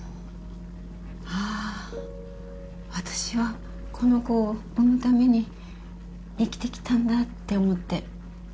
あああたしはこの子を産むために生きてきたんだって思って。